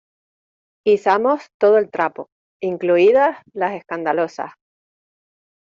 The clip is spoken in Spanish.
izamos todo el trapo, incluidas las escandalosas.